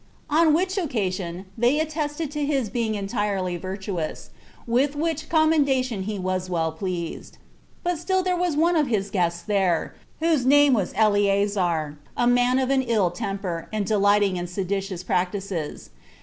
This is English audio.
On which occasion they attested to his being entirely virtuous; with which commendation he was well pleased. But still there was one of his guests there, whose name was Eleazar, a man of an ill temper, and delighting in seditious practices.